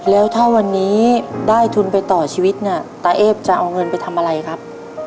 แล้วถ้าวันนี้ได้ทุนไปต่อชีวิตเนี่ยตาเอฟจะเอาเงินไปทำอะไรครับ